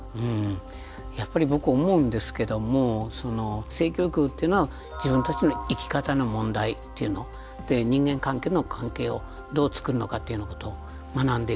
やっぱり僕思うんですけども性教育っていうのは自分たちの生き方の問題というの人間関係をどう作るのかっていうようなことを学んでいるっていう。